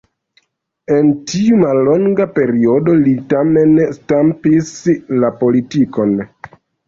En tiu mallonga periodo li tamen stampis la politikon.